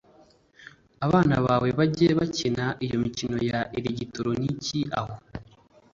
Abana bawe bajye bakinira iyo mikino ya elegitoroniki aho